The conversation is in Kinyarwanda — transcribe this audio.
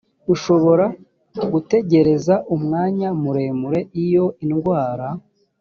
ushobora gutegereza umwanya muremure iyo indwara